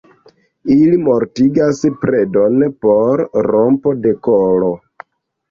Ili mortigas predon per rompo de kolo.